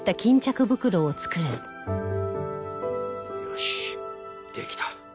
よしできた。